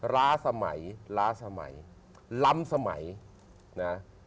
ล้าสมัยล้าสมัยล้ำสมัยนะ